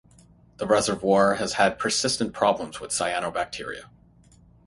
The reservoir has had persistent problems with cyanobacteria.